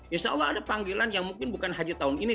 insya allah ada panggilan yang mungkin bukan haji tahun ini